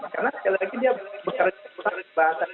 karena sekali lagi dia bekerja tentang bahasa